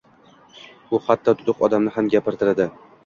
U hatto duduq odamni ham gapirtiradi.